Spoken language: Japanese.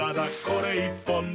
これ１本で」